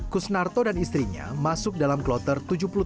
kusnarto dan istrinya masuk dalam kloter tujuh puluh tujuh